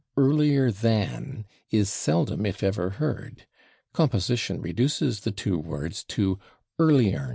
/Earlier than/ is seldom if ever heard; composition reduces the two words to /earlier'n